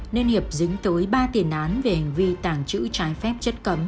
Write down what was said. nên hiệp dính tới ba tiền án về hành vi tàng trữ trái phép chất cấm